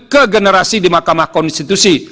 ke generasi di mahkamah konstitusi